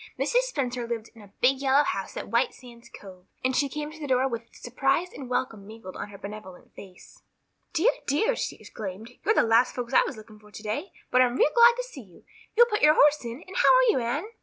Mrs. Spencer lived in a big yellow house at White Sands Cove, and she came to the door with surprise and welcome mingled on her benevolent face. "Dear, dear," she exclaimed, "you're the last folks I was looking for today, but I'm real glad to see you. You'll put your horse in? And how are you, Anne?"